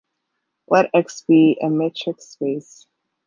Let "X" be a metric space.